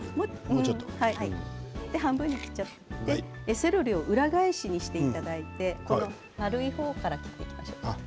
セロリを裏返しにしていただいて丸い方から切っていきましょうか。